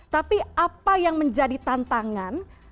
tapi apa yang menjadi tantangan